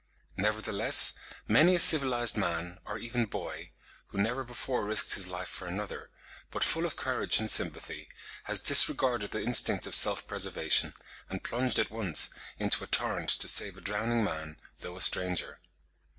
Nevertheless many a civilised man, or even boy, who never before risked his life for another, but full of courage and sympathy, has disregarded the instinct of self preservation, and plunged at once into a torrent to save a drowning man, though a stranger.